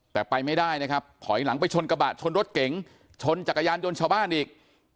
แต่ไปไม่ได้นะครับถอยหลังไปชนกระบะชนรถเก๋งชนจักรยานยนต์ชาวบ้านอีก